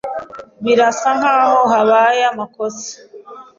Birasa nkaho habaye amakosa.